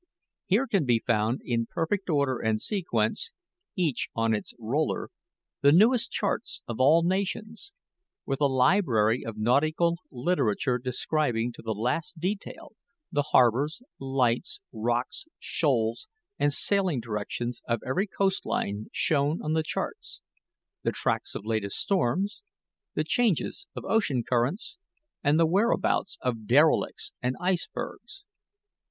Here can be found in perfect order and sequence, each on its roller, the newest charts of all nations, with a library of nautical literature describing to the last detail the harbors, lights, rocks, shoals, and sailing directions of every coast line shown on the charts; the tracks of latest storms; the changes of ocean currents, and the whereabouts of derelicts and icebergs.